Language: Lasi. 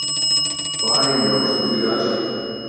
پاڻين ڏين سٽي ڳال ا